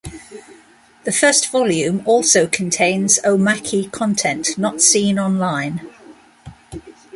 The first volume also contains omake content not seen online.